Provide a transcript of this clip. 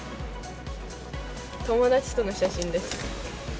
友達との写真です。